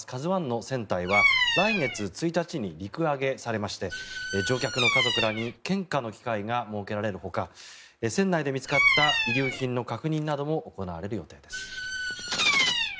「ＫＡＺＵ１」の船体は来月１日に陸揚げされまして乗客の家族らに献花の機会が設けられるほか船内で見つかった遺留品の確認なども行われる予定です。